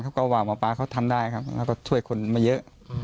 เขาก็ว่าหมอปลาเขาทำได้ครับแล้วก็ช่วยคนมาเยอะ